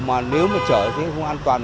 mà nếu mà chở thì không an toàn